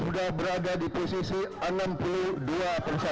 berdasarkan rule count yang diperoleh dari internal